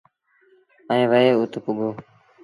ائيٚݩ وهي اُت پُڳو۔